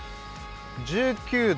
１９度。